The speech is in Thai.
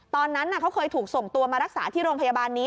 ตอนนั้นเขาเคยถูกส่งตัวมารักษาที่โรงพยาบาลนี้